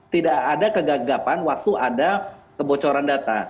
tidak ada kegagapan waktu ada kebocoran data